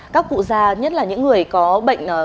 các cụ già nhất là những người có bệnh